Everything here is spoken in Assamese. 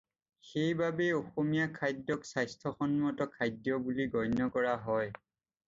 সেয়ে বাবেই অসমীয়া খাদ্যক স্বাস্থ্যসন্মত খাদ্য বুলি গণ্য কৰা হয়।